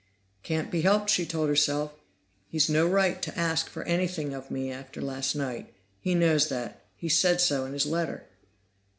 "Can't be helped," she told herself. "He's no right to ask for anything of me after last night. He knows that; he said so in his letter."